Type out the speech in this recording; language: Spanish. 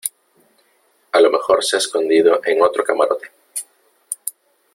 a lo mejor se ha escondido en otro camarote .